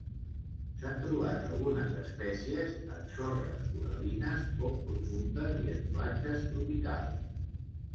S'han trobat algunes espècies en sorres coral·lines poc profundes i en platges tropicals.